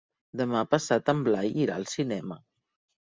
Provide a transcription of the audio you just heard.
Demà passat en Blai irà al cinema.